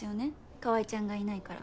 川合ちゃんがいないから。